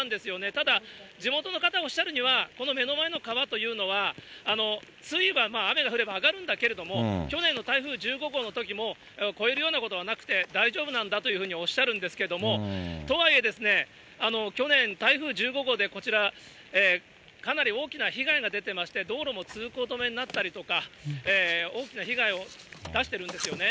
ただ、地元の方、おっしゃるには、この目の前の川というのは、水位は雨が降れば上がるんだけれども、去年の台風１５号のときも越えるようなことはなくて、大丈夫なんだというふうにおっしゃるんですけれども、とはいえ、去年、台風１５号でこちら、かなり大きな被害が出てまして、道路も通行止めになったりとか、大きな被害を出してるんですよね。